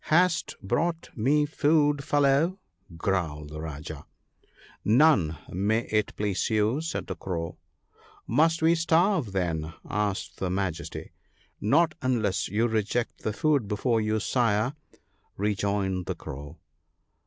" Hast brought me food, fellow ?" growled the Rajah. * None, may it please you," said the Crow. PEACE. 133 " Must we starve, then ?" asked his Majesty. "Not unless you reject the food before you, Sire," re joined the Crow.